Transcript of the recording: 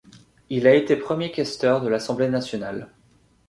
Il a été premier questeur de l'Assemblée nationale.